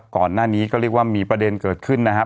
ก่อนหน้านี้ก็เรียกว่ามีประเด็นเกิดขึ้นนะครับ